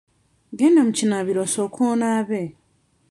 Genda mu kinaabiro osooke onaabe.